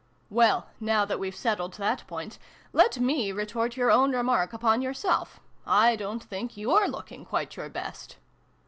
" Well, now that we've settled that point, let me retort your own remark upon yourself. I don't think you re looking quite your best